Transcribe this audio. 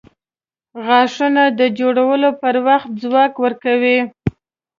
• غاښونه د خوړلو پر وخت ځواک ورکوي.